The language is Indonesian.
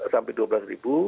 sampai dua belas ribu